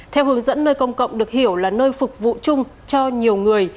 theo hướng dẫn nơi công cộng được hiểu là nơi phục vụ chung cho nhiều người